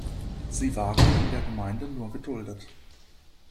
Sie waren in der Gemeinde nur geduldet.